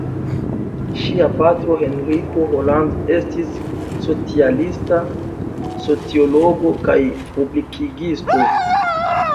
Ŝia patro Henriko Holland estis socialista sociologo kaj publikigisto.